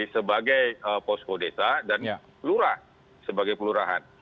sebagai posko desa dan kelurahan